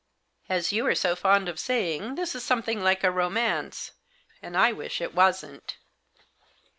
As you are so fond of saying, this is something like a romance ; and I wish it wasn't.